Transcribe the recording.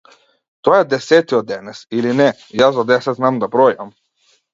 Тој е десетиот денес, или не, јас до десет знам да бројам.